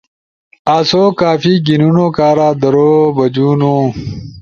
آسو کافی گھیِنونو کارا درو بجونو